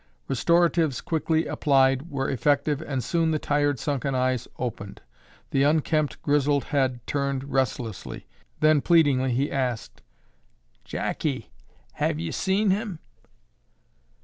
Restoratives quickly applied were effective and soon the tired sunken eyes opened. The unkempt grizzled head turned restlessly, then pleadingly he asked, "Jackie, have you seen him?"